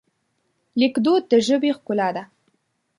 لیکدود د ژبې ښکلا ده.